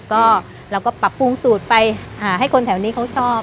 ก็เราก็ปรับปรุงสูตรไปให้คนแถวนี้เขาชอบ